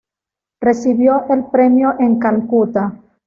Recibió el premio en Calcutta.